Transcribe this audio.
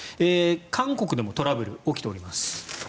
韓国でもトラブルが起きております。